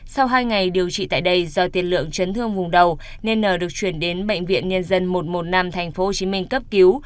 sau hai ngày điều trị tại đây do tiền lượng chấn thương vùng đầu nên n được chuyển đến bệnh viện nhân dân một trăm một mươi năm tp hcm cấp cứu